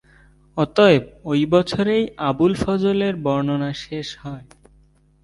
অতএব ওই বছরেই আবুল ফজলের বর্ণনা শেষ হয়।